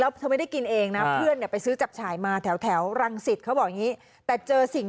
แล้วเธอไม่ได้กินเองนะเพื่อนเนี่ยไปซื้อจับฉายมาแถวรังสิตเขาบอกอย่างนี้แต่เจอสิ่ง